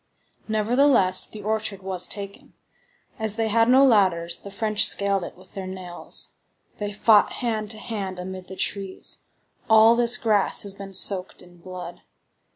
Nevertheless, the orchard was taken. As they had no ladders, the French scaled it with their nails. They fought hand to hand amid the trees. All this grass has been soaked in blood.